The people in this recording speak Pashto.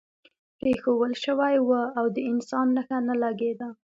پرېښوول شوی و او د انسان نښه نه لګېده.